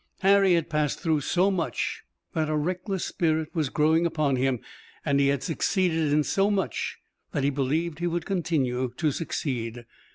Harry had passed through so much that a reckless spirit was growing upon him, and he had succeeded in so much that he believed he would continue to succeed.